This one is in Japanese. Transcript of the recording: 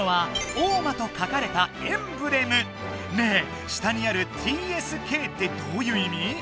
ねえ下にある「ＴＳＫ」ってどういういみ？